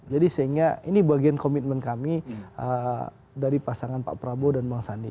jadi sehingga ini bagian komitmen kami dari pasangan pak prabowo dan bang sandi